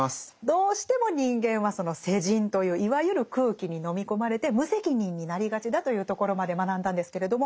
どうしても人間はその世人といういわゆる空気に飲み込まれて無責任になりがちだというところまで学んだんですけれど